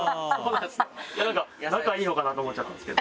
なんか仲いいのかなと思っちゃったんですけど。